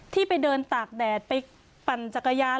ที่ไปเดินตากแดดไปปั่นจักรยาน